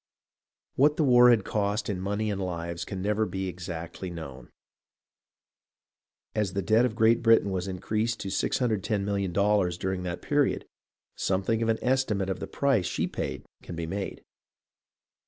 What the war had cost in money and lives can never be exactly known. As the debt of Great Britain was in creased $610,000,000 during that period, something of an estimate of the price she paid can be made.